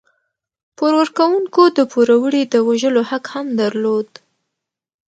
پور ورکوونکو د پوروړي د وژلو حق هم درلود.